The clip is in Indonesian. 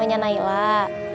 ini yang namanya nailah